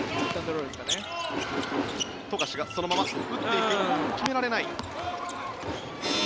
富樫がそのまま打っていくが決められない。